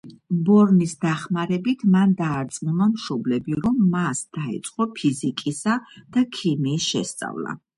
ბორნის დახმარებით მან დაარწმუნა მშობლები, რომ მას დაეწყო ფიზიკისა და ქიმიის შესწავლა.